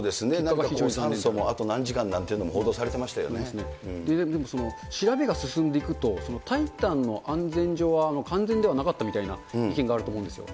酸素もあと何時間なんていうでもその、調べが進んでいくと、タイタンの安全上、完全ではなかったみたいながあると思うんですよ。